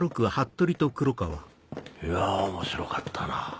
いやぁ面白かったな。